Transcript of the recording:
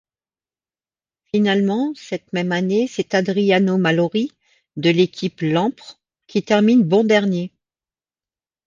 Finalement, cette même année c'est Adriano Malori, de l'équipe Lampre, qui termine bon dernier.